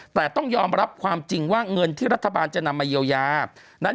แต่ต้องยอมรับความจริงว่าเงินที่รัฐบาลจะนำมาเยียวยานั้น